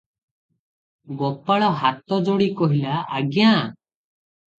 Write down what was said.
ଗୋପାଳ ହାତ ଯୋଡ଼ି କହିଲା, "ଆଜ୍ଞା!